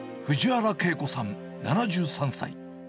藤原慶子さん７３歳。